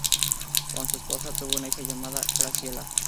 Con su esposa, tuvo una hija llamada Graciela.